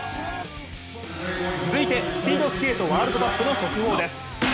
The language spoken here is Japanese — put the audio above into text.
続いてスピードスケートワールドカップの速報です。